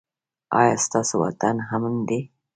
ایا ستاسو وطن امن دی؟